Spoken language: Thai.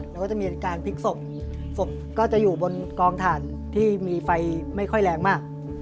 แล้วก็จะมีการพลิกศพศพก็จะอยู่บนกองถ่านที่มีไฟไม่ค่อยแรงมาก